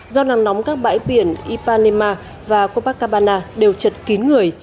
do nắng nóng các bãi biển ipanema và copacabana đều trật kín người